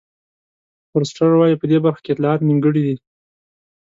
فورسټر وایي په دې برخه کې اطلاعات نیمګړي دي.